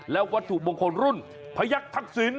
และวัตถุมงคลรุ่นพยักษ์ทักษิณ